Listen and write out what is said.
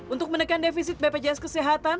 untuk menekan defisit bpjs kesehatan